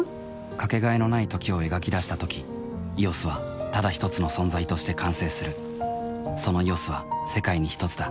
かけがえのない「時」を描き出したとき「ＥＯＳ」はただひとつの存在として完成するその「ＥＯＳ」は世界にひとつだ